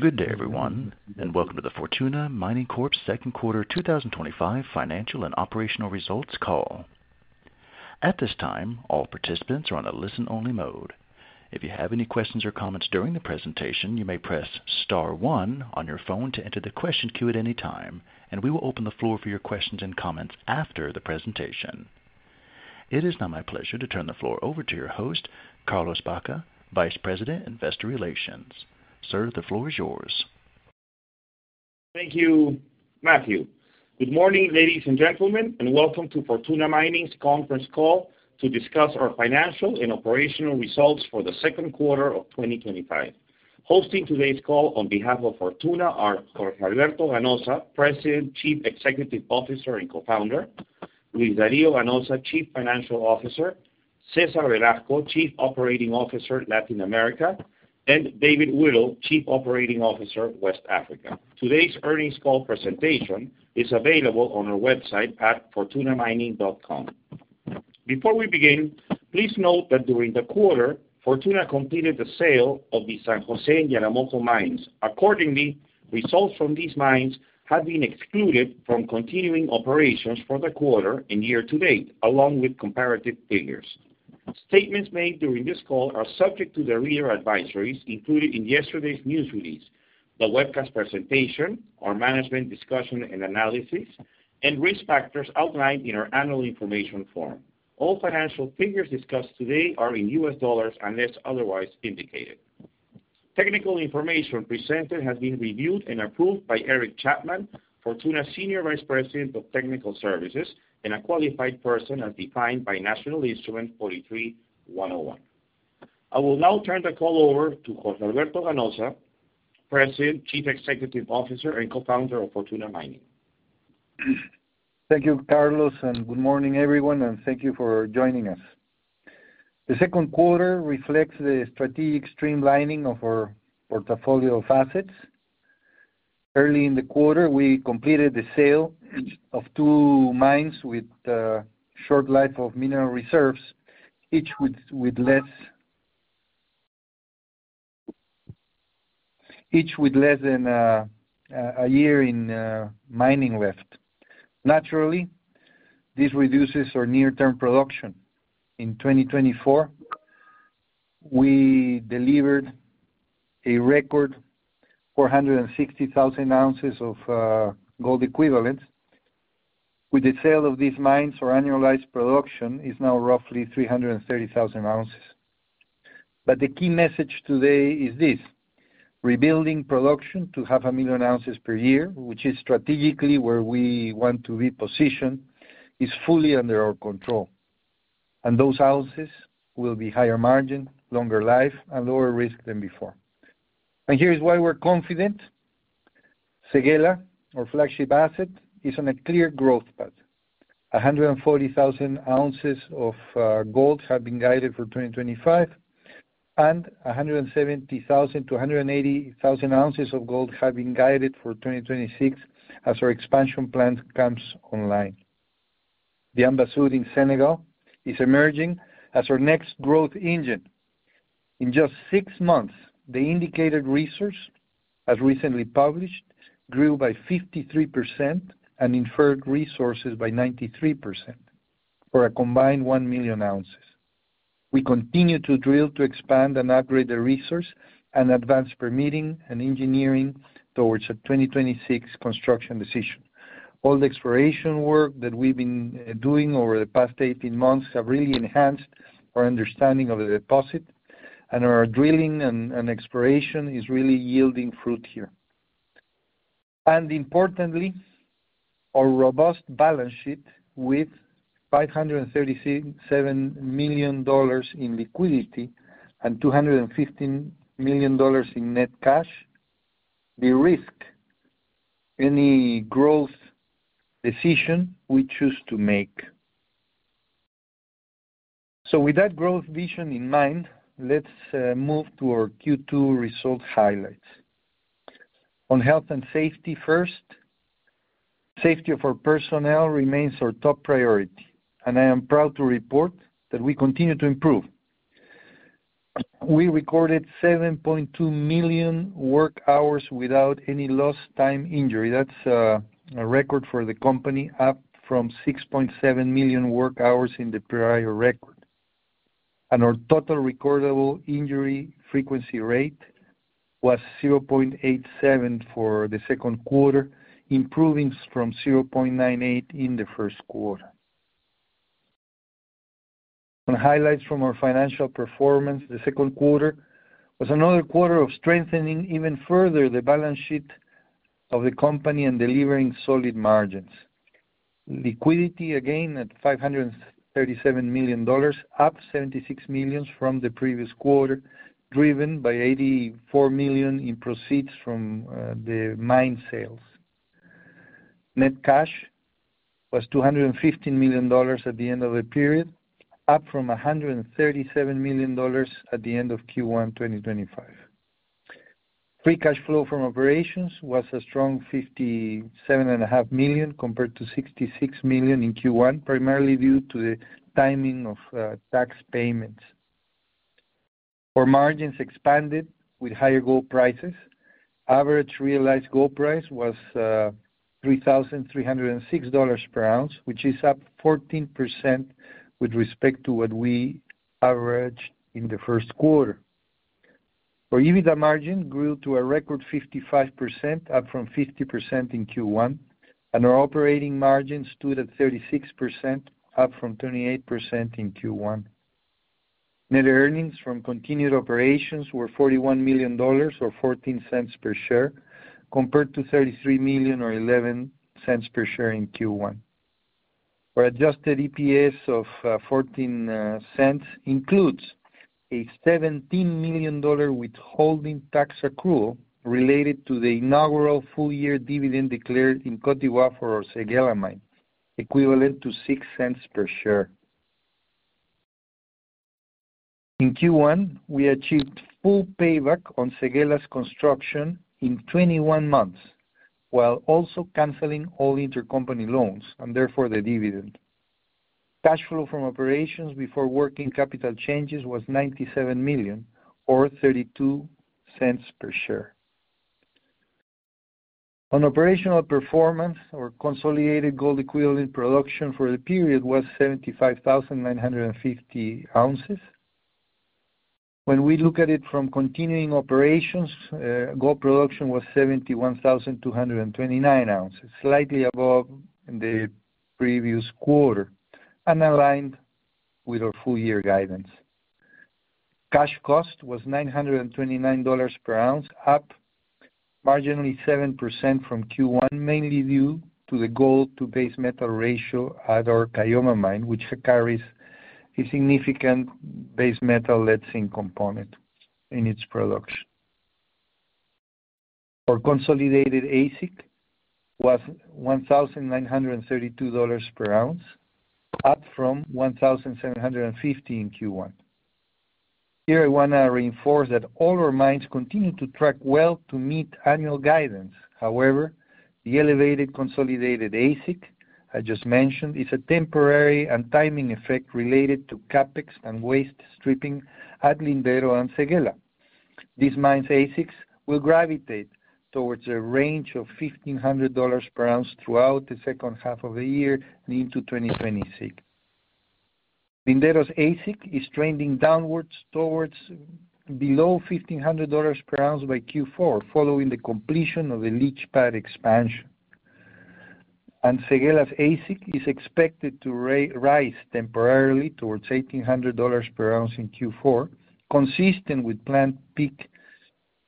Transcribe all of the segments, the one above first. Good day, everyone, and welcome to the Fortuna Mining Corp. Second Quarter 2025 Financial and Operational Results Call. At this time, all participants are on a listen-only mode. If you have any questions or comments during the presentation, you may press star one on your phone to enter the question queue at any time, and we will open the floor for your questions and comments after the presentation. It is now my pleasure to turn the floor over to your host, Carlos Baca, Vice President, Investor Relations. Sir, the floor is yours. Thank you, Matthew. Good morning, ladies and gentlemen, and welcome to Fortuna Mining's Conference Call to discuss our financial and operational results for the second quarter of 2025. Hosting today's call on behalf of Fortuna are Jorge Alberto Ganoza, President, Chief Executive Officer, and Co-Founder; Luis Dario Ganoza, Chief Financial Officer; Cesar Velasco, Chief Operating Officer, Latin America; and David Whittle, Chief Operating Officer, West Africa. Today's earnings call presentation is available on our website at fortunamining.com. Before we begin, please note that during the quarter, Fortuna completed the sale of the San Jose and Yaramoko mines. Accordingly, results from these mines have been excluded from continuing operations for the quarter and year to date, along with comparative figures. Statements made during this call are subject to the reader advisories included in yesterday's news release, the webcast presentation, our management discussion and analysis, and risk factors outlined in our annual information form. All financial figures discussed today are in U.S. dollars unless otherwise indicated. Technical information presented has been reviewed and approved by Eric Chapman, Fortuna's Senior Vice President of Technical Services, and a qualified person as defined by National Instrument 43-101. I will now turn the call over to Jorge Alberto Ganoza, President, Chief Executive Officer, and Co-Founder of Fortuna Mining. Thank you, Carlos, and good morning, everyone, and thank you for joining us. The second quarter reflects the strategic streamlining of our portfolio of assets. Early in the quarter, we completed the sale of two mines with a short life of mineral reserves, each with less than a year in mining left. Naturally, this reduces our near-term production. In 2024, we delivered a record 460,000 oz of gold equivalents. With the sale of these mines, our annualized production is now roughly 330,000 oz. The key message today is this: rebuilding production to 0.5 million oz per year, which is strategically where we want to be positioned, is fully under our control. Those ounces will be higher margin, longer life, and lower risk than before. Here's why we're confident. Séguéla, our flagship asset, is on a clear growth path. 140,000 oz of gold have been guided for 2025, and 170,000-180,000 oz of gold have been guided for 2026 as our expansion plan comes online. Diamba Sud in Senegal is emerging as our next growth engine. In just six months, the indicated resource has recently published grew by 53% and inferred resources by 93% for a combined 1 million oz. We continue to drill to expand and upgrade the resource and advance permitting and engineering towards a 2026 construction decision. All the exploration work that we've been doing over the past 18 months has really enhanced our understanding of the deposit, and our drilling and exploration is really yielding fruit here. Importantly, our robust balance sheet with $537 million in liquidity and $215 million in net cash derisk any growth decision we choose to make. With that growth vision in mind, let's move to our Q2 result highlights. On health and safety first, safety of our personnel remains our top priority, and I am proud to report that we continue to improve. We recorded 7.2 million work hours without any lost time injury. That's a record for the company, up from 6.7 million work hours in the prior record. Our total recordable injury frequency rate was 0.87 for the second quarter, improving from 0.98 in the first quarter. On highlights from our financial performance, the second quarter was another quarter of strengthening even further the balance sheet of the company and delivering solid margins. Liquidity, again, at $537 million, up $76 million from the previous quarter, driven by $84 million in proceeds from the mine sales. Net cash was $215 million at the end of the period, up from $137 million at the end of Q1 2025. Free cash flow from operations was a strong $57.5 million compared to $66 million in Q1, primarily due to the timing of tax payments. Our margins expanded with higher gold prices. Average realized gold price was $3,306 per ounce, which is up 14% with respect to what we averaged in the first quarter. Our EBITDA margin grew to a record 55%, up from 50% in Q1, and our operating margin stood at 36%, up from 28% in Q1. Net earnings from continued operations were $41 million or $0.14 per share, compared to $33 million or $0.11 per share in Q1. Our adjusted EPS of $0.14 includes a $17 million withholding tax accrual related to the inaugural full-year dividend declared in Côte d'Ivoire for our Séguéla mine, equivalent to $0.06 per share. In Q1, we achieved full payback on Séguéla's construction in 21 months, while also canceling all intercompany loans and therefore the dividend. Cash flow from operations before working capital changes was $97 million or $0.32 per share. On operational performance, our consolidated gold equivalent production for the period was 75,950 oz. When we look at it from continuing operations, gold production was 71,229 oz, slightly above in the previous quarter and aligned with our full-year guidance. Cash cost was $929 per ounce, up marginally 7% from Q1, mainly due to the gold-to-base metal ratio at our Caylloma mine, which carries a significant base metal lead zinc component in its production. Our consolidated AISC was $1,932 per ounce, up from $1,750 in Q1. Here, I want to reinforce that all our mines continue to track well to meet annual guidance. However, the elevated consolidated AISC I just mentioned is a temporary and timing effect related to capital expenditures and waste stripping at Lindero and Séguéla. These mines' AISCs will gravitate towards a range of $1,500 per ounce throughout the second half of the year into 2026. Lindero's AISC is trending downwards towards below $1,500 per ounce by Q4, following the completion of the leach pad expansion. Séguéla's AISC is expected to rise temporarily towards $1,800 per ounce in Q4, consistent with planned peaks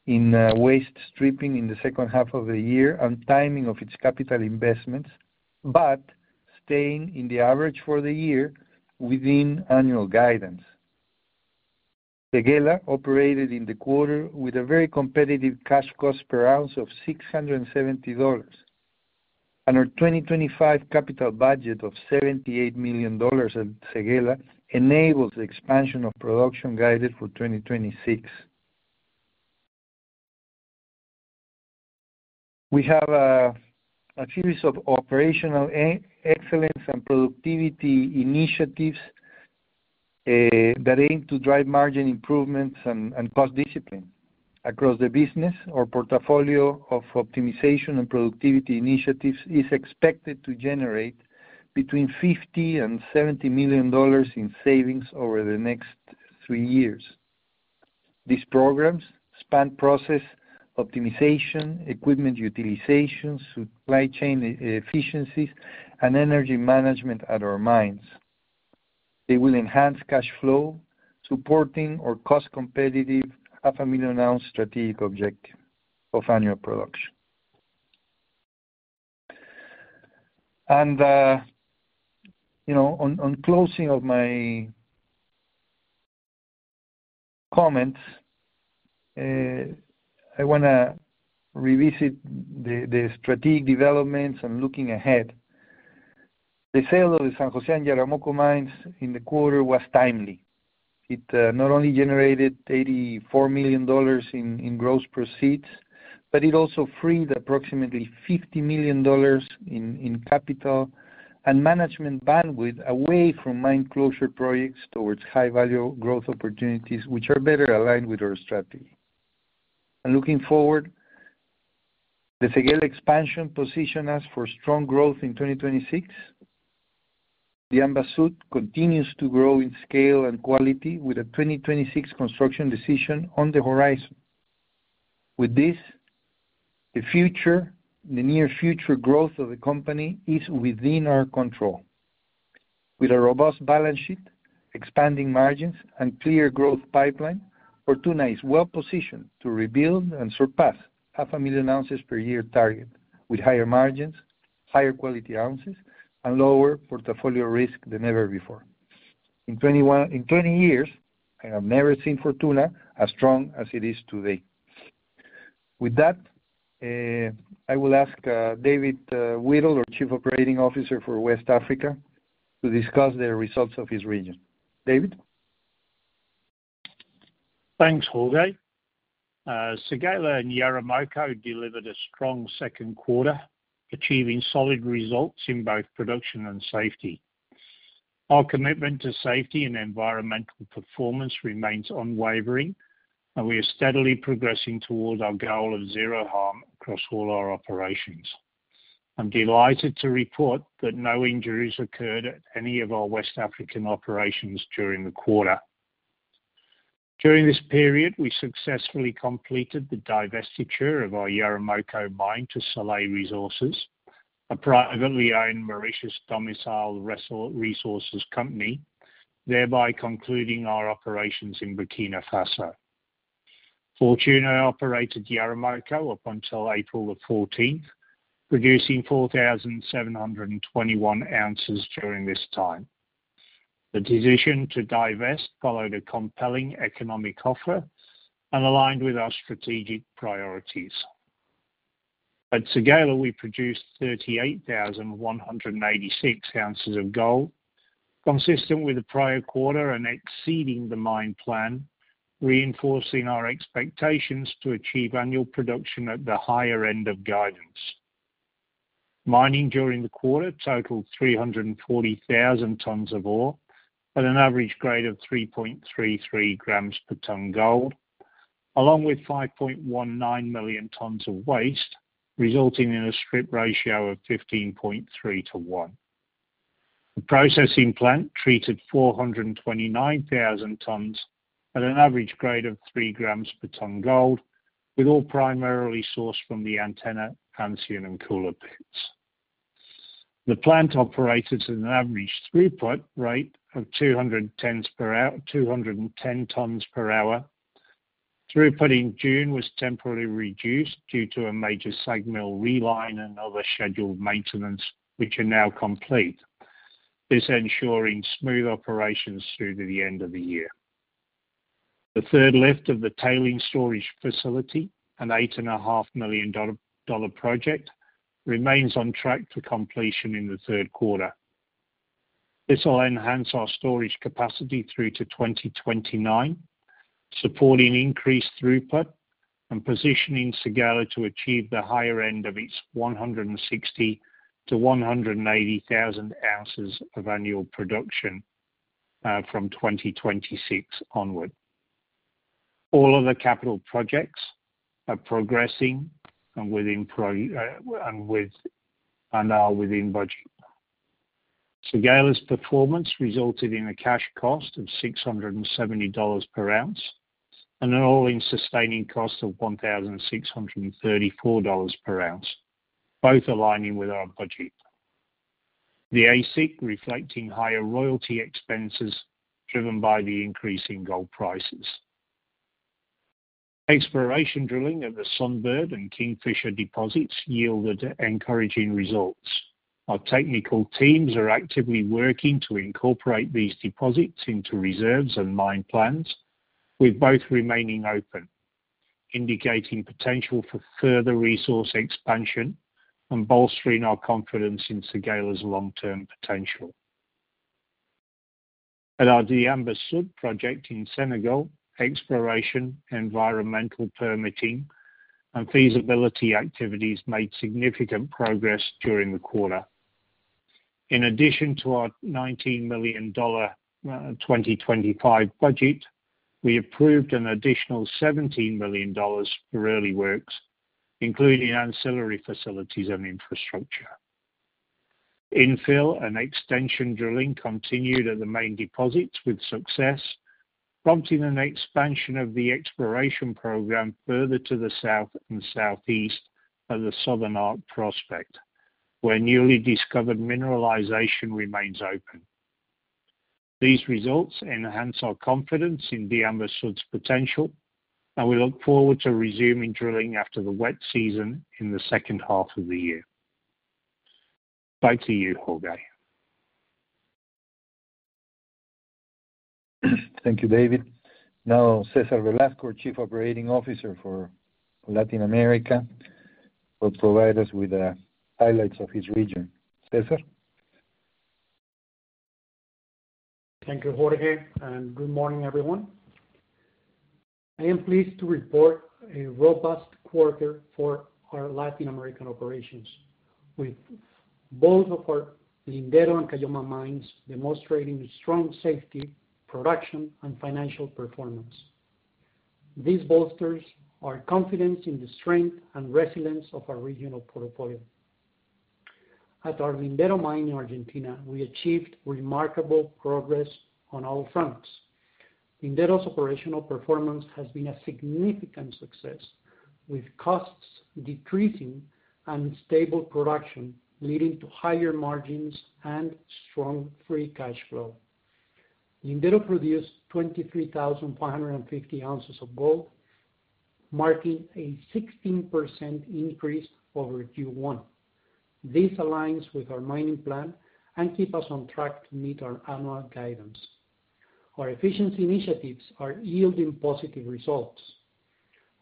in waste stripping in the second half of the year and timing of its capital investments, but staying in the average for the year within annual guidance. Séguéla operated in the quarter with a very competitive cash cost per ounce of $670. Our 2025 capital budget of $78 million at Séguéla enables the expansion of production guided for 2026. We have a series of operational excellence and productivity initiatives that aim to drive margin improvements and cost discipline across the business. Our portfolio of optimization and productivity initiatives is expected to generate between $50 million and $70 million in savings over the next three years. These programs span process optimization, equipment utilization, supply chain efficiencies, and energy management at our mines. They will enhance cash flow, supporting our cost-competitive 0.5 million oz strategic objective of annual production. On closing of my comments, I want to revisit the strategic developments and looking ahead. The sale of the San Jose and Yaramoko mines in the quarter was timely. It not only generated $84 million in gross proceeds, but it also freed approximately $50 million in capital and management bandwidth away from mine closure projects towards high-value growth opportunities, which are better aligned with our strategy. Looking forward, the Séguéla expansion positions us for strong growth in 2026. Diamba Sud continues to grow in scale and quality with a 2026 construction decision on the horizon. With this, the near future growth of the company is within our control. With a robust balance sheet, expanding margins, and clear growth pipeline, Fortuna is well positioned to rebuild and surpass the 0.5 million oz per-year target with higher margins, higher quality ounces, and lower portfolio risk than ever before. In 20 years, I have never seen Fortuna as strong as it is today. With that, I will ask David Whittle, our Chief Operating Officer for West Africa, to discuss the results of his region. David? Thanks, Jorge. Séguéla and Yaramoko delivered a strong second quarter, achieving solid results in both production and safety. Our commitment to safety and environmental performance remains unwavering, and we are steadily progressing toward our goal of zero harm across all our operations. I'm delighted to report that no injuries occurred at any of our West African operations during the quarter. During this period, we successfully completed the divestiture of our Yaramoko mine to Soleil Resources, a privately owned Mauritius-domiciled resources company, thereby concluding our operations in Burkina Faso. Fortuna operated Yaramoko up until April the 14th, producing 4,721 oz during this time. The decision to divest followed a compelling economic offer and aligned with our strategic priorities. At Séguéla, we produced 38,186 oz of gold, consistent with the prior quarter and exceeding the mine plan, reinforcing our expectations to achieve annual production at the higher end of guidance. Mining during the quarter totaled 340,000 tons of ore at an average grade of 3.33 g per tonne gold, along with 5.19 million tons of waste, resulting in a strip ratio of 15.3/1. The processing plant treated 429,000 tons at an average grade of 3 g per tonne gold, with ore primarily sourced from the [Agouti and Boulder] pits. The plant operated at an average throughput rate of 210 tons per hour. Throughput in June was temporarily reduced due to a major SAG mill reline and other scheduled maintenance, which are now complete, ensuring smooth operations through to the end of the year. The third lift of the tailings storage facility, an $8.5 million project, remains on track to completion in the third quarter. This will enhance our storage capacity through to 2029, supporting increased throughput and positioning Séguéla to achieve the higher end of its 160,000-180,000 oz of annual production from 2026 onward. All other capital projects are progressing and are within budget. Séguéla's performance resulted in a cash cost of $670 per ounce and an all-in sustaining cost of $1,634 per ounce, both aligning with our budget. The AISC reflecting higher royalty expenses driven by the increasing gold prices. Exploration drilling at the Sunbird and Kingfisher deposits yielded encouraging results. Our technical teams are actively working to incorporate these deposits into reserves and mine plans, with both remaining open, indicating potential for further resource expansion and bolstering our confidence in Séguéla's long-term potential. At our Diamba Sud project in Senegal, exploration, environmental permitting, and feasibility activities made significant progress during the quarter. In addition to our $19 million 2025 budget, we approved an additional $17 million for early works, including ancillary facilities and infrastructure. Infill and extension drilling continued at the main deposits with success, prompting an expansion of the exploration program further to the south and southeast of the southern arc prospect, where newly discovered mineralization remains open. These results enhance our confidence in Diamba Sud's potential, and we look forward to resuming drilling after the wet season in the second half of the year. Back to you, Jorge. Thank you, David. Now, Cesar Velasco, our Chief Operating Officer for Latin America, will provide us with the highlights of his region. Cesar? Thank you, Jorge, and good morning, everyone. I am pleased to report a robust quarter for our Latin American operations, with both of our Lindero and Caylloma mines demonstrating strong safety, production, and financial performance. This bolsters our confidence in the strength and resilience of our regional portfolio. At our Lindero mine in Argentina, we achieved remarkable progress on all fronts. Lindero's operational performance has been a significant success, with costs decreasing and stable production, leading to higher margins and strong free cash flow. Lindero produced 23,450 oz of gold, marking a 16% increase over Q1. This aligns with our mining plan and keeps us on track to meet our annual guidance. Our efficiency initiatives are yielding positive results.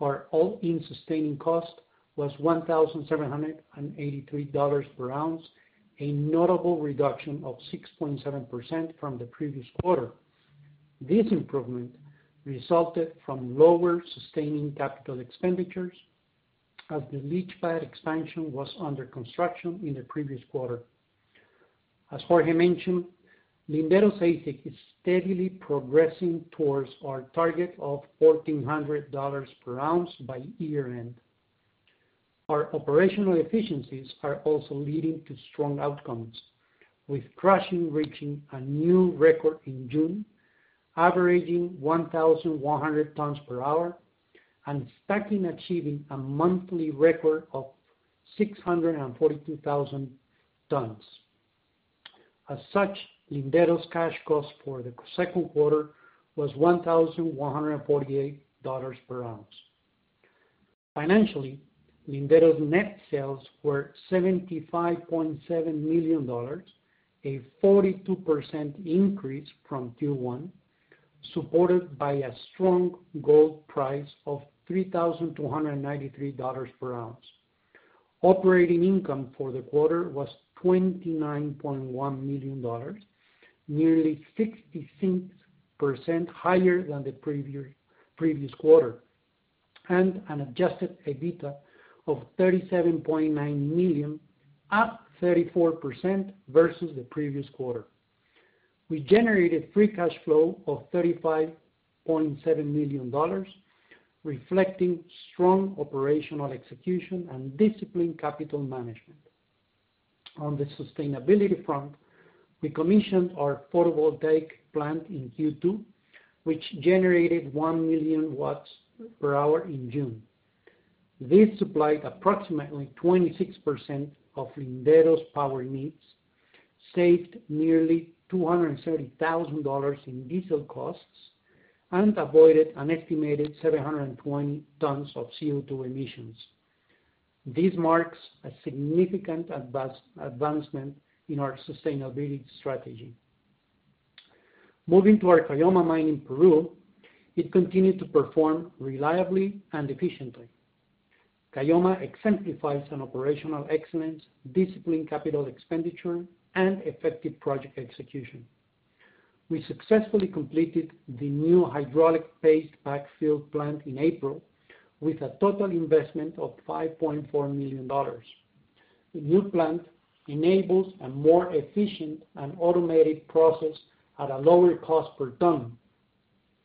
Our all-in sustaining cost was $1,783 per ounce, a notable reduction of 6.7% from the previous quarter. This improvement resulted from lower sustaining capital expenditures as the leach pad expansion was under construction in the previous quarter. As Jorge mentioned, Lindero's AISC is steadily progressing towards our target of $1,400 per ounce by year-end. Our operational efficiencies are also leading to strong outcomes, with crushing reaching a new record in June, averaging 1,100 tons per hour and stacking achieving a monthly record of 642,000 tons. As such, Lindero's cash cost for the second quarter was $1,148 per ounce. Financially, Lindero's net sales were $75.7 million, a 42% increase from Q1, supported by a strong gold price of $3,293 per ounce. Operating income for the quarter was $29.1 million, nearly 66% higher than the previous quarter, and an adjusted EBITDA of $37.9 million, up 34% versus the previous quarter. We generated free cash flow of $35.7 million, reflecting strong operational execution and disciplined capital management. On the sustainability front, we commissioned our photovoltaic plant in Q2, which generated 1 million W per hour in June. This supplied approximately 26% of Lindero's power needs, saved nearly $230,000 in diesel costs, and avoided an estimated 720 tons of CO2 emissions. This marks a significant advancement in our sustainability strategy. Moving to our Caylloma mine in Peru, it continued to perform reliably and efficiently. Caylloma exemplifies operational excellence, disciplined capital expenditure, and effective project execution. We successfully completed the new hydraulic-based backfill plant in April, with a total investment of $5.4 million. The new plant enables a more efficient and automated process at a lower cost per tonne.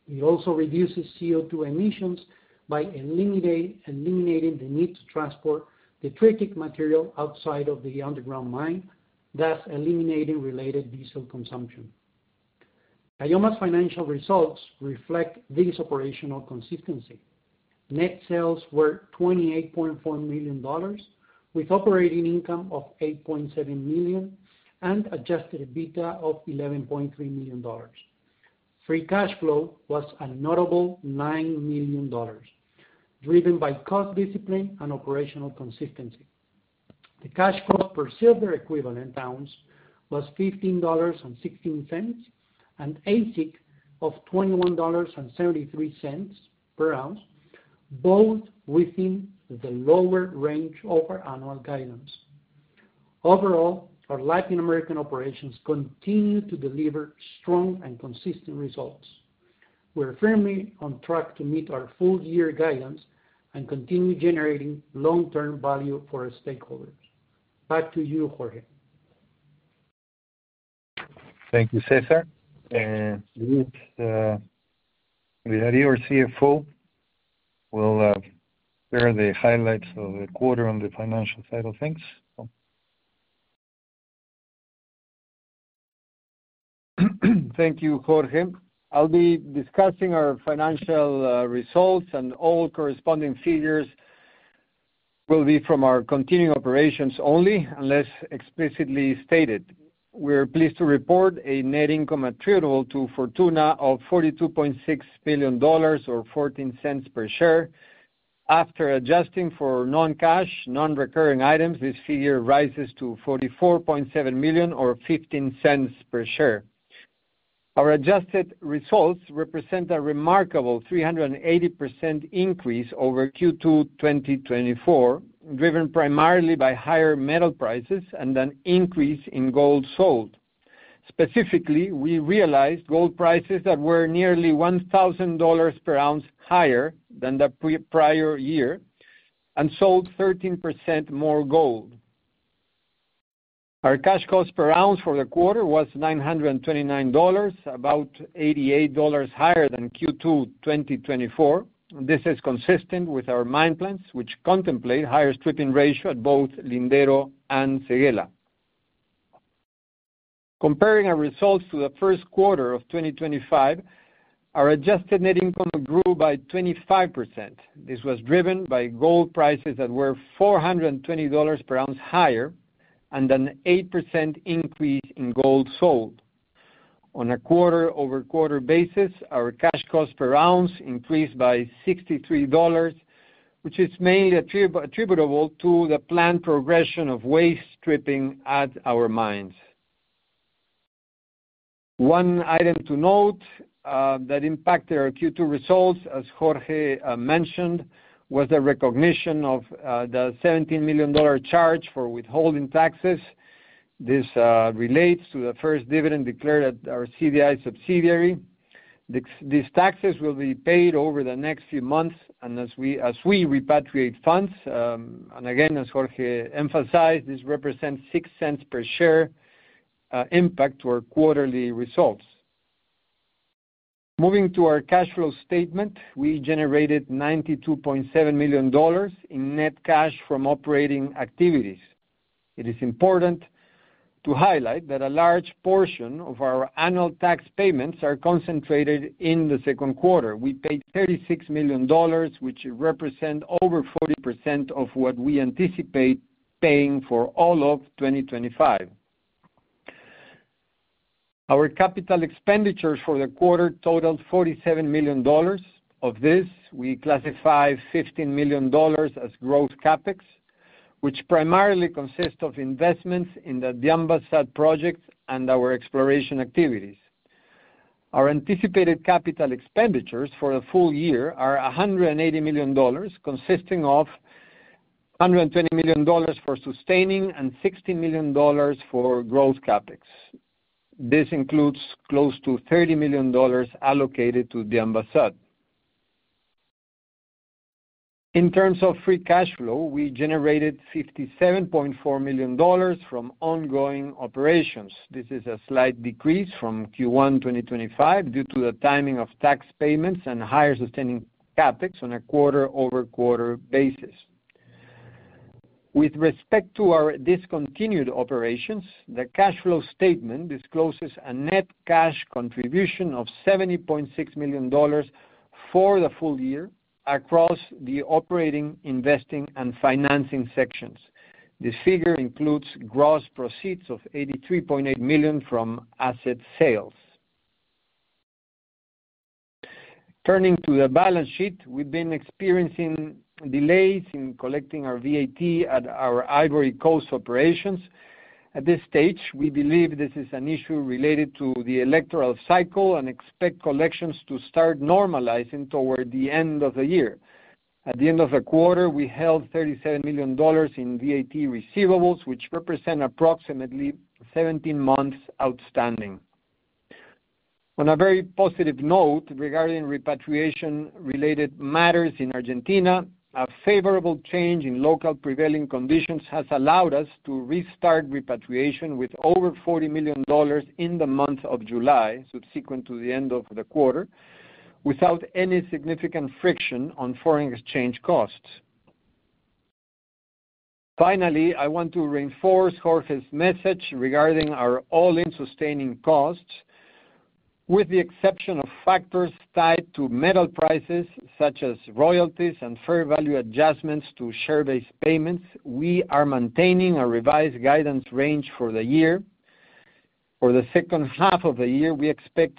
It also reduces CO2 emissions by eliminating the need to transport the tricky material outside of the underground mine, thus eliminating related diesel consumption. Caylloma's financial results reflect this operational consistency. Net sales were $28.4 million, with operating income of $8.7 million and adjusted EBITDA of $11.3 million. Free cash flow was a notable $9 million, driven by cost discipline and operational consistency. The cash flow per silver equivalent ounce was $15.16 and AISC of $21.73 per ounce, both within the lower range of our annual guidance. Overall, our Latin American operations continue to deliver strong and consistent results. We're firmly on track to meet our full-year guidance and continue generating long-term value for our stakeholders. Back to you, Jorge. Thank you, Cesar. Luis, with that, our CFO will share the highlights of the quarter on the financial side of things. Thank you, Jorge. I'll be discussing our financial results, and all corresponding figures will be from our continuing operations only, unless explicitly stated. We're pleased to report a net income attributable to Fortuna of $42.6 million or $0.14 per share. After adjusting for non-cash, non-recurring items, this figure rises to $44.7 million or $0.15 per share. Our adjusted results represent a remarkable 380% increase over Q2 2024, driven primarily by higher metal prices and an increase in gold sold. Specifically, we realized gold prices that were nearly $1,000 per ounce higher than the prior year and sold 13% more gold. Our cash cost per ounce for the quarter was $929, about $88 higher than Q2 2024. This is consistent with our mine plans, which contemplate higher stripping ratio at both Lindero and Séguéla. Comparing our results to the first quarter of 2025, our adjusted net income grew by 25%. This was driven by gold prices that were $420 per ounce higher and an 8% increase in gold sold. On a quarter-over-quarter basis, our cash cost per ounce increased by $63, which is mainly attributable to the planned progression of waste stripping at our mines. One item to note that impacted our Q2 results, as Jorge mentioned, was the recognition of the $17 million charge for withholding taxes. This relates to the first dividend declared at our CDI subsidiary. These taxes will be paid over the next few months as we repatriate funds, and again, as Jorge emphasized, this represents a $0.06 per share impact to our quarterly results. Moving to our cash flow statement, we generated $92.7 million in net cash from operating activities. It is important to highlight that a large portion of our annual tax payments are concentrated in the second quarter. We paid $36 million, which represents over 40% of what we anticipate paying for all of 2025. Our capital expenditures for the quarter totaled $47 million. Of this, we classify $15 million as gross CapEx, which primarily consists of investments in the Diamba Sud project and our exploration activities. Our anticipated capital expenditures for the full year are $180 million, consisting of $120 million for sustaining and $16 million for gross CapEx. This includes close to $30 million allocated to Diamba Sud. In terms of free cash flow, we generated $57.4 million from ongoing operations. This is a slight decrease from Q1 2025 due to the timing of tax payments and higher sustaining CapEx on a quarter-over-quarter basis. With respect to our discontinued operations, the cash flow statement discloses a net cash contribution of $70.6 million for the full year across the operating, investing, and financing sections. This figure includes gross proceeds of $83.8 million from asset sales. Turning to the balance sheet, we've been experiencing delays in collecting our VAT at our Ivory Coast operations. At this stage, we believe this is an issue related to the electoral cycle and expect collections to start normalizing toward the end of the year. At the end of the quarter, we held $37 million in VAT receivables, which represent approximately 17 months outstanding. On a very positive note regarding repatriation-related matters in Argentina, a favorable change in local prevailing conditions has allowed us to restart repatriation with over $40 million in the month of July, subsequent to the end of the quarter, without any significant friction on foreign exchange costs. Finally, I want to reinforce Jorge's message regarding our all-in sustaining costs. With the exception of factors tied to metal prices, such as royalties and fair value adjustments to share-based payments, we are maintaining a revised guidance range for the year. For the second half of the year, we expect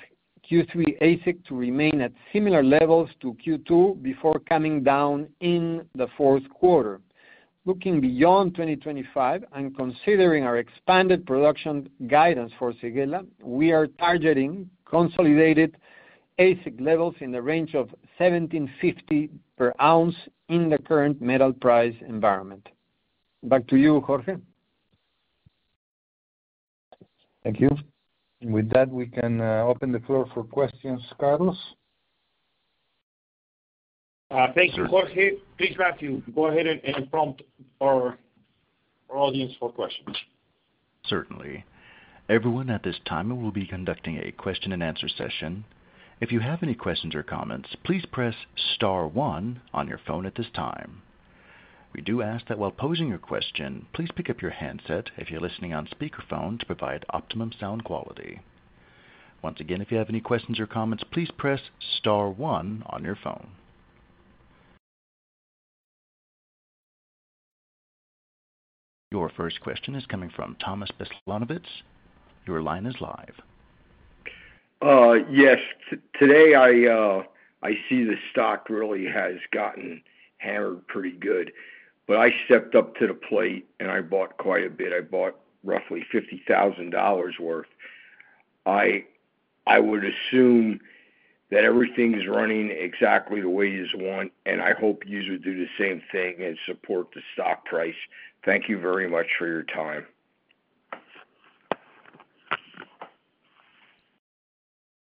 Q3 AISC to remain at similar levels to Q2 before coming down in the fourth quarter. Looking beyond 2025 and considering our expanded production guidance for Séguéla, we are targeting consolidated AISC levels in the range of $1,750 per ounce in the current metal price environment. Back to you, Jorge. Thank you. With that, we can open the floor for questions. Carlos. Thank you, Jorge. Please, Matthew, go ahead and prompt our audience for questions. Certainly. Everyone, at this time, we will be conducting a question and answer session. If you have any questions or comments, please press star one on your phone at this time. We do ask that while posing your question, please pick up your headset if you're listening on speakerphone to provide optimum sound quality. Once again, if you have any questions or comments, please press star one on your phone. Your first question is coming from [Thomas Beslanowicz]. Your line is live. Yes. Today, I see the stock really has gotten hammered pretty good. When I stepped up to the plate, I bought quite a bit. I bought roughly $50,000 worth. I would assume that everything's running exactly the way you want, and I hope you would do the same thing and support the stock price. Thank you very much for your time.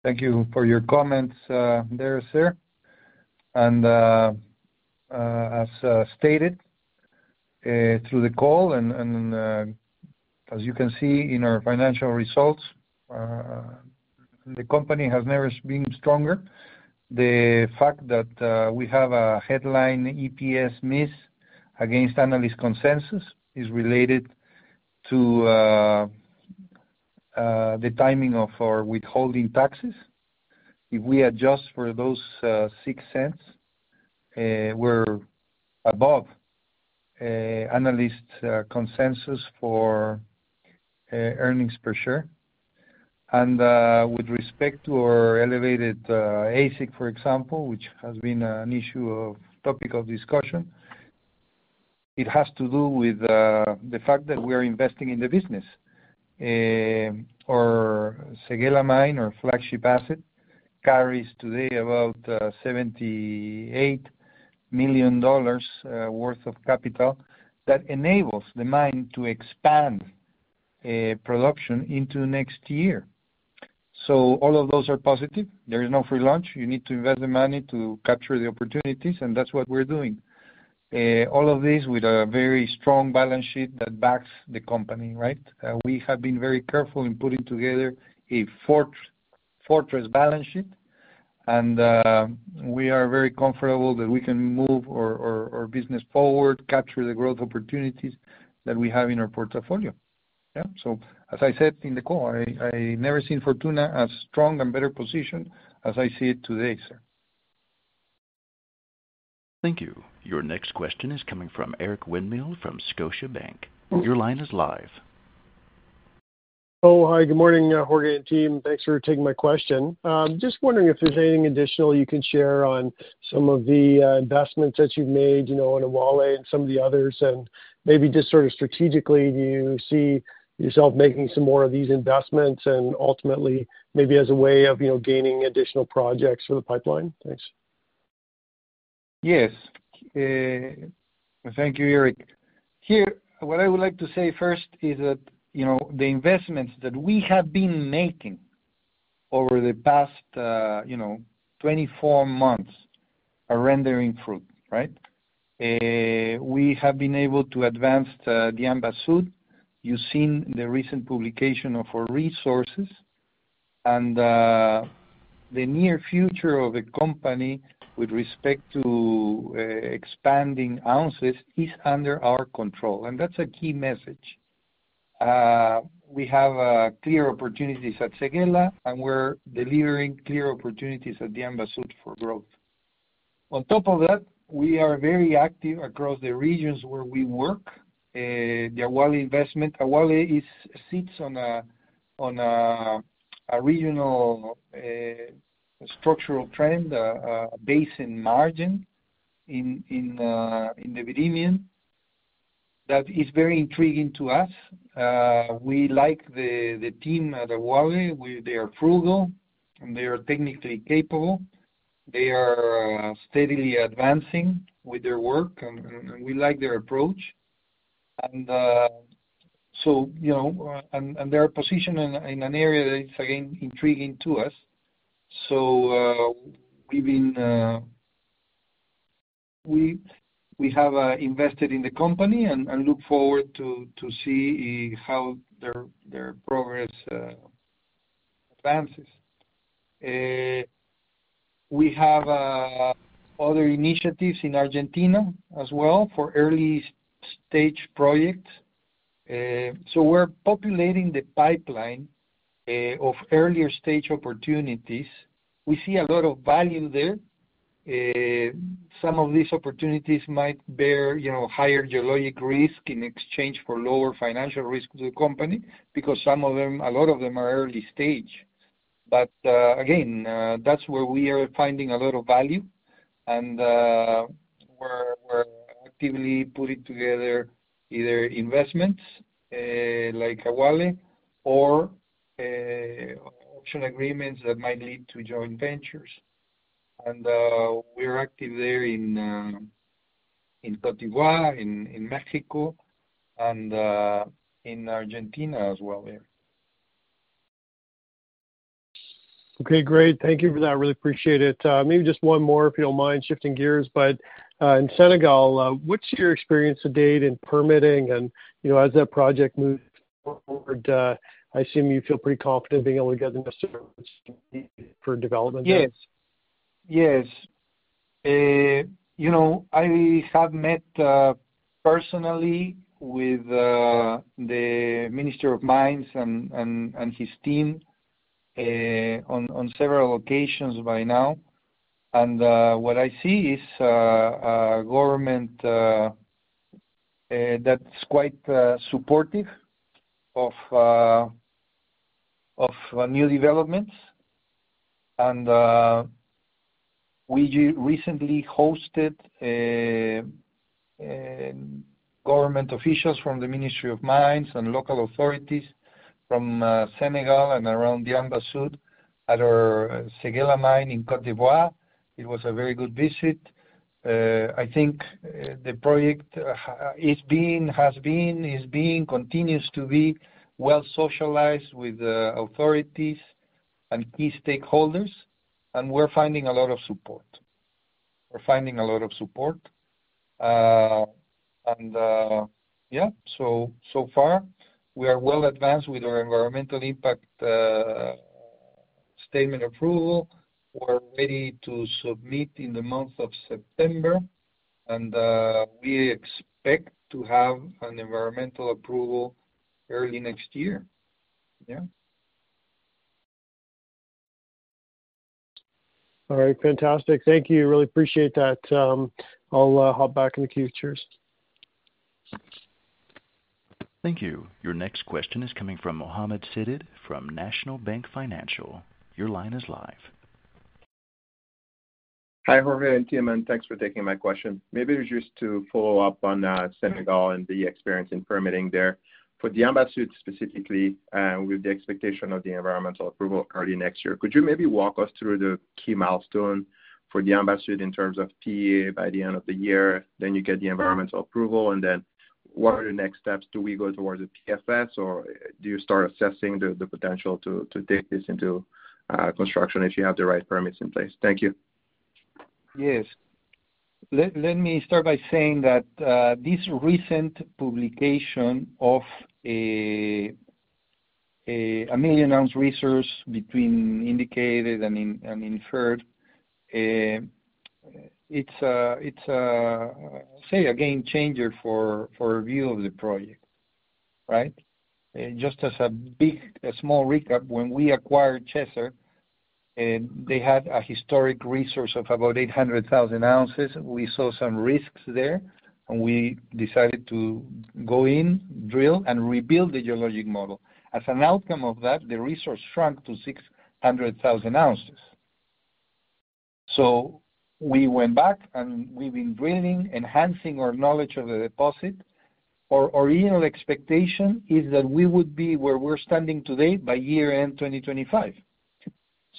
Thank you for your comments there, sir. As stated through the call, and as you can see in our financial results, the company has never been stronger. The fact that we have a headline EPS miss against analyst consensus is related to the timing of our withholding taxes. If we adjust for those $0.06, we're above analyst consensus for earnings per share. With respect to our elevated AISC, for example, which has been an issue of topic of discussion, it has to do with the fact that we are investing in the business. Our Séguéla mine, our flagship asset, carries today about $78 million worth of capital that enables the mine to expand production into next year. All of those are positive. There is no free lunch. You need to invest the money to capture the opportunities, and that's what we're doing. All of this with a very strong balance sheet that backs the company, right? We have been very careful in putting together a fortress balance sheet, and we are very comfortable that we can move our business forward, capture the growth opportunities that we have in our portfolio. As I said in the call, I've never seen Fortuna as strong and better positioned as I see it today, sir. Thank you. Your next question is coming from Eric Winmill from Scotiabank. Your line is live. Oh, hi. Good morning, Jorge and team. Thanks for taking my question. Just wondering if there's anything additional you can share on some of the investments that you've made in Awalé and some of the others, and maybe just sort of strategically, do you see yourself making some more of these investments and ultimately maybe as a way of gaining additional projects for the pipeline? Thanks. Yes. Thank you, Eric. What I would like to say first is that the investments that we have been making over the past 24 months are rendering fruit, right? We have been able to advance Diamba Sud. You've seen the recent publication of our resources, and the near future of the company with respect to expanding ounces is under our control, and that's a key message. We have clear opportunities at Séguéla, and we're delivering clear opportunities at Diamba Sud for growth. On top of that, we are very active across the regions where we work. The Awalé investment, Awalé sits on a regional structural trend, a basin margin in the [Peruvian] that is very intriguing to us. We like the team at Awalé with their approval, and they are technically capable. They are steadily advancing with their work, and we like their approach. They're positioned in an area that is, again, intriguing to us. We have invested in the company and look forward to see how their progress advances. We have other initiatives in Argentina as well for early-stage projects. We're populating the pipeline of earlier-stage opportunities. We see a lot of value there. Some of these opportunities might bear higher geologic risk in exchange for lower financial risk to the company because some of them, a lot of them, are early-stage. Again, that's where we are finding a lot of value, and we're actively putting together either investments like Awalé or option agreements that might lead to joint ventures. We're active there in Côte d'Ivoire, in Mexico, and in Argentina as well. Okay. Great. Thank you for that. I really appreciate it. Maybe just one more, if you don't mind shifting gears, but in Senegal, what's your experience to date in permitting? As that project moves forward, I assume you feel pretty confident being able to get the [permission] for development. Yes. Yes. You know, I have met personally with the Minister of Mines and his team on several occasions by now. What I see is a government that's quite supportive of new developments. We recently hosted government officials from the Ministry of Mines and local authorities from Senegal and around Diamba Sud at our Séguéla mine in Côte d'Ivoire. It was a very good visit. I think the project has been, is being, continues to be well socialized with authorities and key stakeholders, and we're finding a lot of support. We're finding a lot of support. So far, we are well advanced with our environmental impact statement approval. We're ready to submit in the month of September, and we expect to have an environmental approval early next year. Yeah. All right. Fantastic. Thank you. Really appreciate that. I'll hop back in the queue. Cheers. Thank you. Your next question is coming from Mohamed Sidibé from National Bank Financial. Your line is live. Hi, Jorge and team, and thanks for taking my question. Maybe just to follow up on Senegal and the experience in permitting there. For Diamba Sud specifically, with the expectation of the environmental approval early next year, could you maybe walk us through the key milestone for Diamba Sud in terms of TA by the end of the year? You get the environmental approval, and then what are the next steps? Do we go towards the PFS, or do you start assessing the potential to take this into construction if you have the right permits in place? Thank you. Yes. Let me start by saying that this recent publication of a million-ounce resource between indicated and inferred, it's a, say, a game changer for our view of the project, right? Just as a big, a small recap, when we acquired [Senegal], they had a historic resource of about 800,000 oz. We saw some risks there, and we decided to go in, drill, and rebuild the geologic model. As an outcome of that, the resource shrank to 600,000 oz. We went back, and we've been drilling, enhancing our knowledge of the deposit. Our original expectation is that we would be where we're standing today by year-end 2025.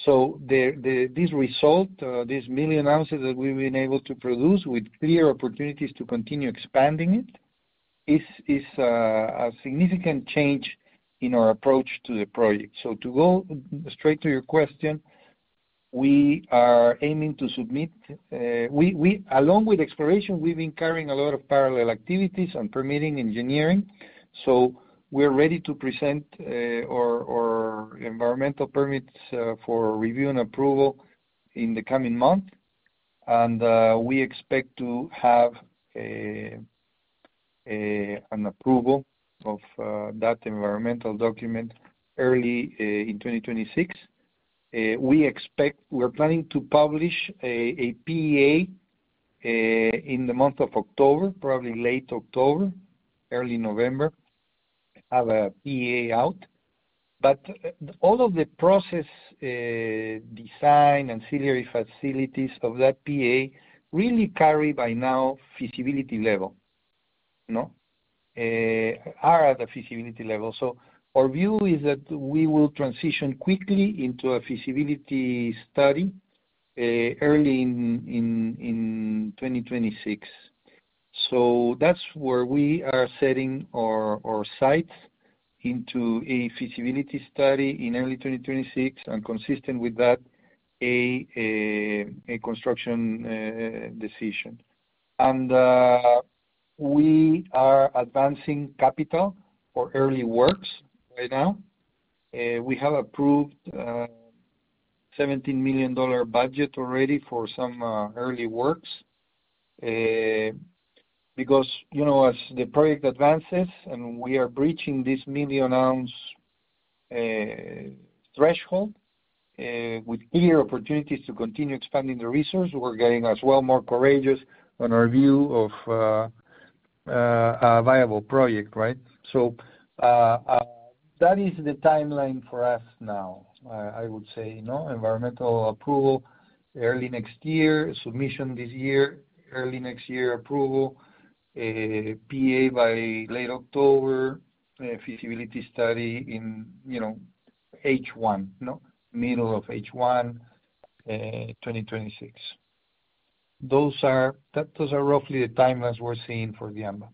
This result, this million ounces that we've been able to produce with clear opportunities to continue expanding it, is a significant change in our approach to the project. To go straight to your question, we are aiming to submit, along with exploration, we've been carrying a lot of parallel activities and permitting engineering. We're ready to present our environmental permits for review and approval in the coming month, and we expect to have an approval of that environmental document early in 2026. We're planning to publish a PA in the month of October, probably late October, early November, have a PA out. All of the process design and auxiliary facilities of that PA really carry by now feasibility level, are at the feasibility level. Our view is that we will transition quickly into a feasibility study early in 2026. That is where we are setting our sights into a feasibility study in early 2026 and consistent with that construction decision. We are advancing capital for early works right now. We have approved a $17 million budget already for some early works because, you know, as the project advances and we are breaching this million-ounce threshold with clear opportunities to continue expanding the resource, we're getting as well more courageous on our view of a viable project, right? That is the timeline for us now, I would say. Environmental approval early next year, submission this year, early next year approval, PA by late October, feasibility study in, you know, H1, middle of H1 2026. Those are roughly the timelines we're seeing for Diamba.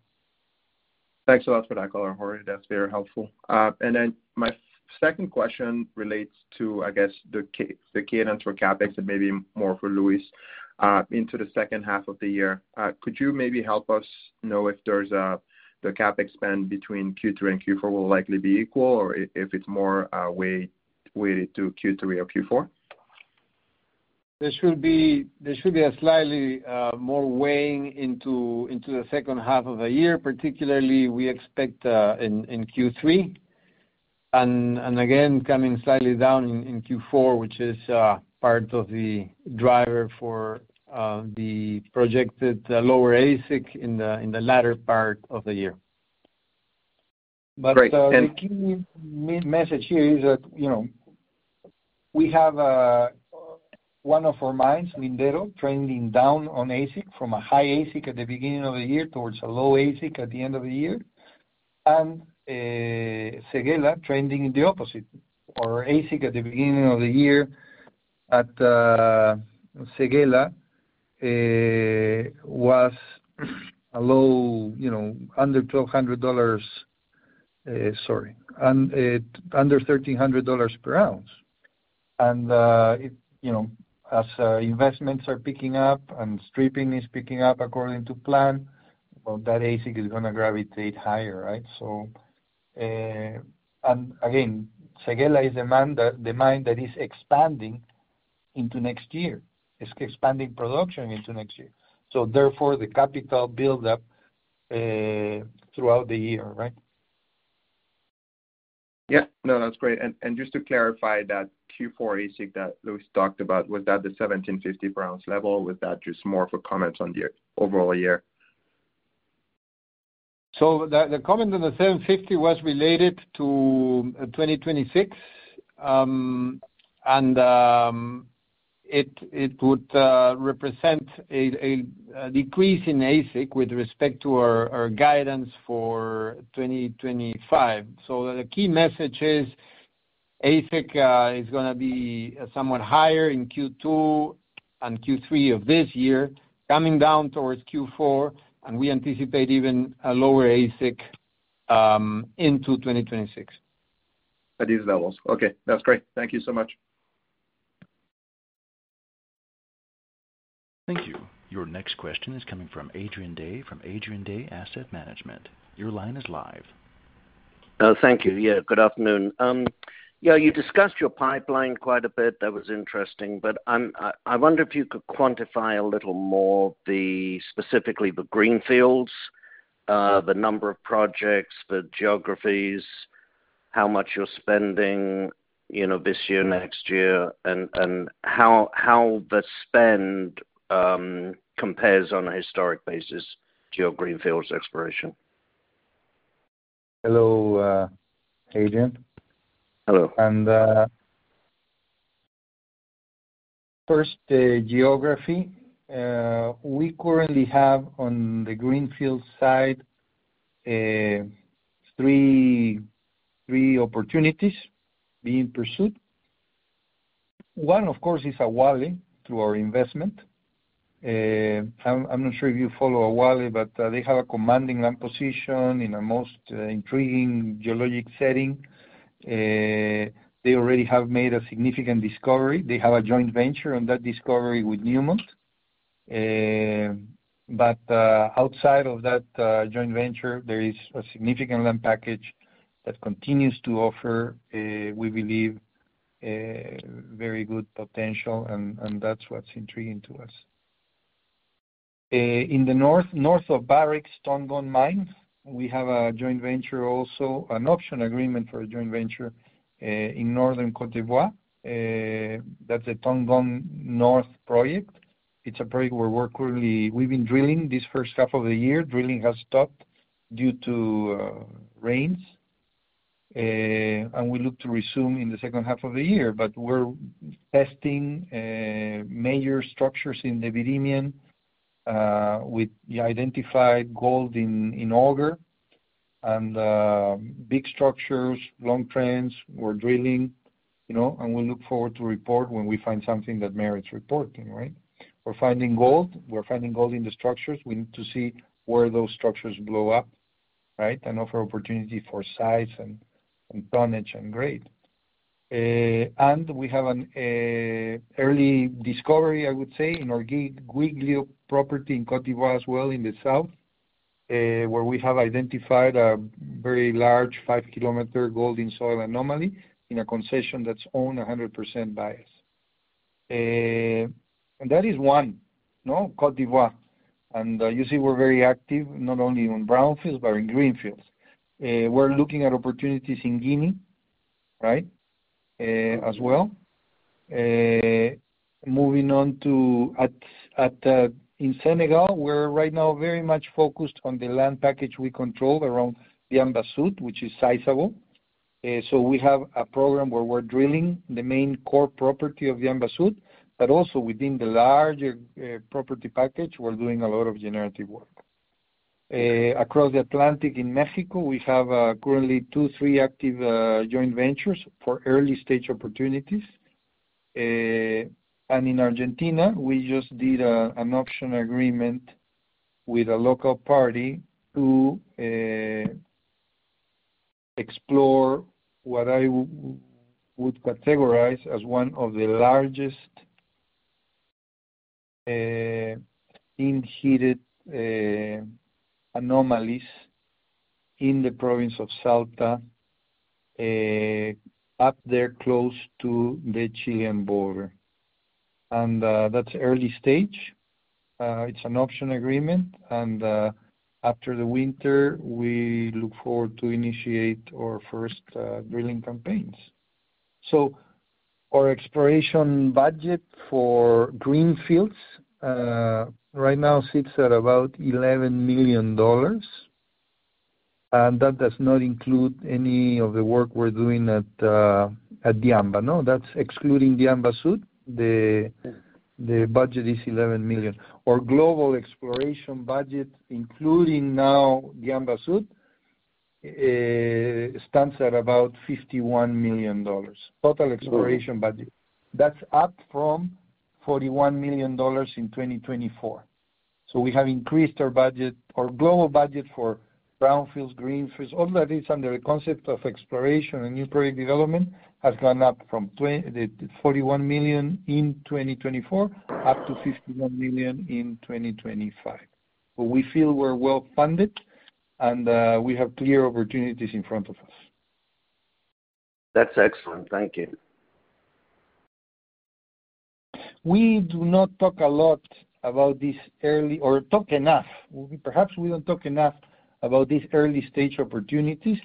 Thanks a lot for that color Jorge, that's very helpful. My second question relates to, I guess, the key entry CapEx, and maybe more for Luis, into the second half of the year. Could you maybe help us know if there's a CapEx spend between Q3 and Q4, will it likely be equal or is it more weighted to Q3 or Q4? There should be a slightly more weighing into the second half of the year, particularly we expect in Q3, and again, coming slightly down in Q4, which is part of the driver for the projected lower AISC in the latter part of the year. The key message here is that, you know, we have one of our mines, Lindero, trending down on AISC from a high AISC at the beginning of the year towards a low AISC at the end of the year, and Séguéla trending the opposite. Our AISC at the beginning of the year, Séguéla was a low, you know, under $1,200, sorry, and under $1,300 per ounce. If, you know, as investments are picking up and stripping is picking up according to plan, that AISC is going to gravitate higher, right? Séguéla is the mine that is expanding into next year. It's expanding production into next year, therefore, the capital buildup throughout the year, right? No, that's great. Just to clarify, that Q4 AISC that Luis talked about, was that the $1,750 per ounce level, or was that just more of a comment on the overall year? The comment on the $750 was related to 2026, and it would represent a decrease in AISC with respect to our guidance for 2025. The key message is AISC is going to be somewhat higher in Q2 and Q3 of this year, coming down towards Q4, and we anticipate even a lower AISC into 2026. At these levels, okay. That's great. Thank you so much. Thank you. Your next question is coming from Adrian Day from Adrian Day Asset Management. Your line is live. Thank you. Good afternoon. You discussed your pipeline quite a bit. That was interesting. I wonder if you could quantify a little more specifically the greenfield. The number of projects, the geographies, how much you're spending this year, next year, and how the spend compares on a historic basis to your greenfield exploration. Hello, Adrian. Hello. First, geography. We currently have on the greenfield side three opportunities being pursued. One, of course, is Awalé through our investment. I'm not sure if you follow Awalé, but they have a commanding land position in a most intriguing geologic setting. They already have made a significant discovery. They have a joint venture on that discovery with Newmont. Outside of that joint venture, there is a significant land package that continues to offer, we believe, very good potential, and that's what's intriguing to us. In the north of Barrick's Tongon Mine, we have a joint venture also, an option agreement for a joint venture in northern Côte d'Ivoire. That's a Tongon North project. It's a project where we're currently, we've been drilling this first half of the year. Drilling has stopped due to rains, and we look to resume in the second half of the year. We're testing major structures in the [viridian] with the identified gold in auger and big structures, long trends. We're drilling, and we look forward to report when we find something that merits reporting, right? We're finding gold. We're finding gold in the structures. We need to see where those structures blow up, right, and offer opportunity for size and tonnage and grade. We have an early discovery, I would say, in our Guiglo property in Côte d'Ivoire as well in the south, where we have identified a very large 5 km gold-in-soil anomaly in a concession that's owned 100% by us. That is one, Côte d'Ivoire. You see, we're very active not only in brownfields, but in greenfields. We're looking at opportunities in Guinea as well. Moving on, in Senegal, we're right now very much focused on the land package we control around Diamba Sud, which is sizable. We have a program where we're drilling the main core property of Diamba Sud, but also within the larger property package, we're doing a lot of generative work. Across the Atlantic in Mexico, we have currently two, three active joint ventures for early-stage opportunities. In Argentina, we just did an option agreement with a local party to explore what I would categorize as one of the largest in-heated anomalies in the province of Salta up there close to the Chilean border. That's early stage. It's an option agreement. After the winter, we look forward to initiate our first drilling campaigns. Our exploration budget for greenfields right now sits at about $11 million, and that does not include any of the work we're doing at Diamba. No, that's excluding Diamba Sud. The budget is $11 million. Our global exploration budget, including now Diamba Sud, stands at about $51 million. Total exploration budget. That's up from $41 million in 2024. We have increased our budget, our global budget for brownfield, greenfield, all that is under the concept of exploration and new product development has gone up from the $41 million in 2024 up to $51 million in 2025. We feel we're well funded, and we have clear opportunities in front of us. That's excellent. Thank you. We do not talk a lot about these early or talk enough. Perhaps we don't talk enough about these early-stage opportunities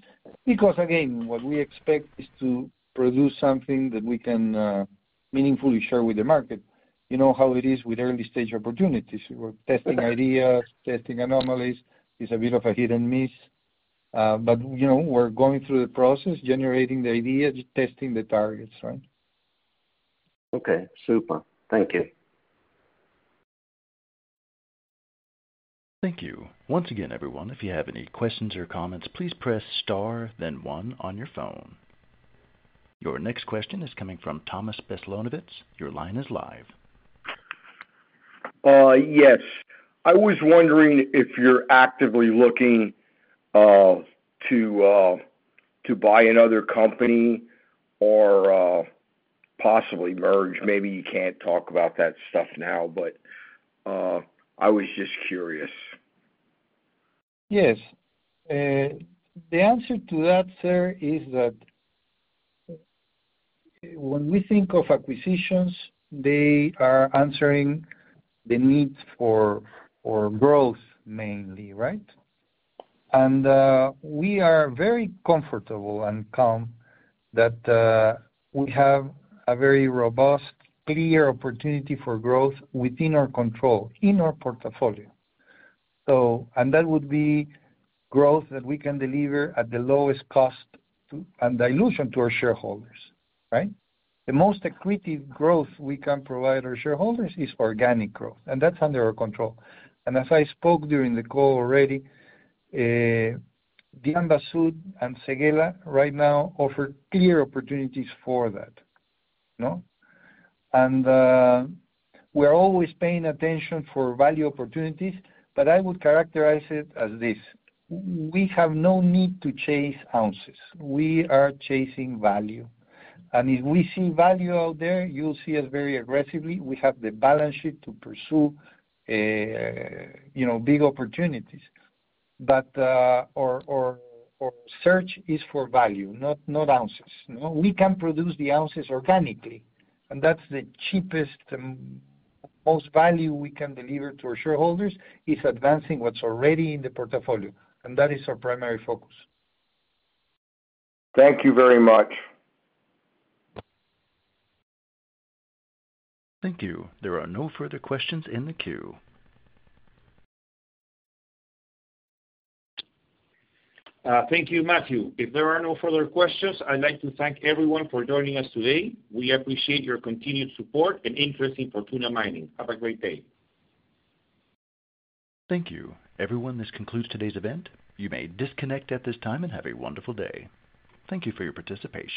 because, again, what we expect is to produce something that we can meaningfully share with the market. You know how it is with early-stage opportunities. We're testing ideas, testing anomalies. It's a bit of a hit and miss. You know we're going through the process, generating the idea, testing the targets, right? Okay. Super. Thank you. Thank you. Once again, everyone, if you have any questions or comments, please press star, then one, on your phone. Your next question is coming from [Thomas Beslanowicz]. Your line is live. Yes, I was wondering if you're actively looking to buy another company or possibly merge. Maybe you can't talk about that stuff now, but I was just curious. Yes. The answer to that, sir, is that when we think of acquisitions, they are answering the needs for growth mainly, right? We are very comfortable and calm that we have a very robust, clear opportunity for growth within our control, in our portfolio. That would be growth that we can deliver at the lowest cost and dilution to our shareholders, right? The most accretive growth we can provide our shareholders is organic growth, and that's under our control. As I spoke during the call already, Diamba Sud and Séguéla right now offer clear opportunities for that. We're always paying attention for value opportunities, but I would characterize it as this: we have no need to chase ounces. We are chasing value. If we see value out there, you'll see us very aggressively. We have the balance sheet to pursue big opportunities. Our search is for value, not ounces. We can produce the ounces organically, and the cheapest and most value we can deliver to our shareholders is advancing what's already in the portfolio, and that is our primary focus. Thank you very much. Thank you. There are no further questions in the queue. Thank you, Matthew. If there are no further questions, I'd like to thank everyone for joining us today. We appreciate your continued support and interest in Fortuna Mining. Have a great day. Thank you. Everyone, this concludes today's event. You may disconnect at this time and have a wonderful day. Thank you for your participation.